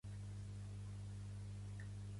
Si llegissis més no veuries tanta merda